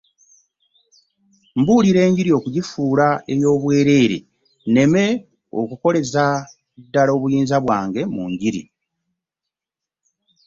Mbuulira enjiri okugifuula ey'obwereere, nneme okukoleza ddala obuyinza bwange mu njiri.